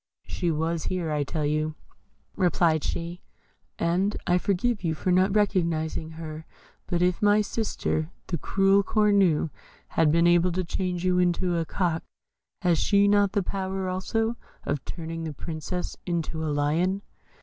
"She was here, I tell you," replied she, "and I forgive you for not recognising her; but if my sister, the cruel Cornue, has been able to change you into a cock, has she not the power also of turning the Princess into a lion?"